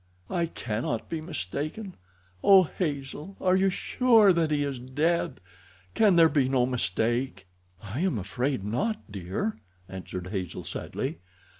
"I cannot be mistaken. Oh, Hazel, are you sure that he is dead? Can there be no mistake?" "I am afraid not, dear," answered Hazel sadly.